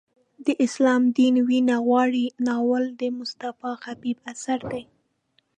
د اسلام دین وینه غواړي ناول د مصطفی خبیب اثر دی.